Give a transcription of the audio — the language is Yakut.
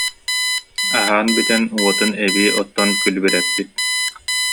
Аһаан бүтэн, уотун эбии оттон күлүбүрэппит